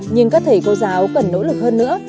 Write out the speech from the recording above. nhưng các thầy cô giáo cần nỗ lực hơn nữa